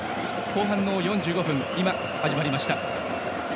後半の４５分始まりました。